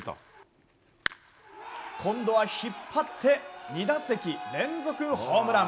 今度は引っ張って２打席連続ホームラン。